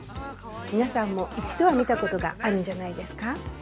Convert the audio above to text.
皆さんも、一度は見たことがあるんじゃないですか？